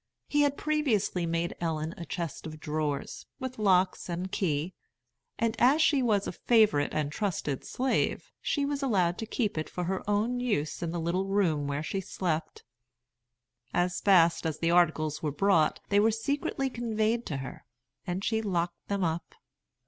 He had previously made Ellen a chest of drawers, with locks and key; and as she was a favorite and trusted slave, she was allowed to keep it for her own use in the little room where she slept. As fast as the articles were bought they were secretly conveyed to her, and she locked them up.